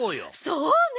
そうね。